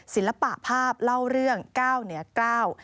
ศิลปะภาพเล่าเรื่องเก้าเหนือเก้า